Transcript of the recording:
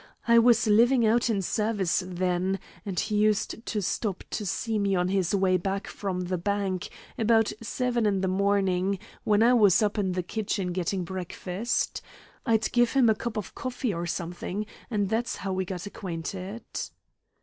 I was living out in service then, and he used to stop in to see me on his way back from the bank, about seven in the morning, when I was up in the kitchen getting breakfast. I'd give him a cup of coffee or something, and that's how we got acquainted."